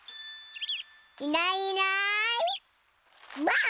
いないいないばあっ！